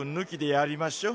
やりましょう。